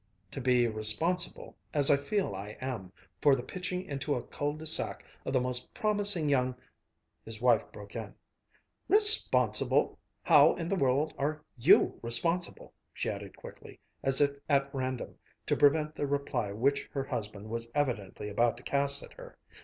"To be responsible, as I feel I am, for the pitching into a cul de sac of the most promising young " His wife broke in, "Responsible! How in the world are you responsible!" she added quickly, as if at random, to prevent the reply which her husband was evidently about to cast at her.